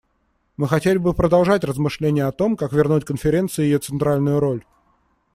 Мы хотели бы продолжать размышления о том, как вернуть Конференции ее центральную роль.